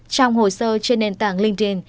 trong hồ sơ trên nền tảng linkedin